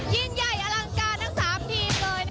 ยิ่งใหญ่อลังการทั้ง๓ทีมเลย